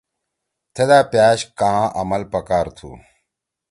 تھیدا پأش کآں عمل پکار تُھو۔